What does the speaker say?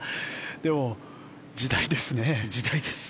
でも、時代ですね。